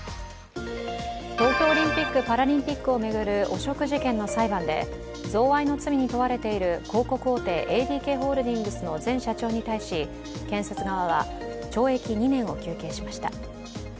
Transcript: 東京オリンピック・パラリンピックを巡る汚職事件の裁判で贈賄の罪に問われている広告大手ＡＤＫホールディングスの前社長に対し、検察側は懲役２年を求刑しました。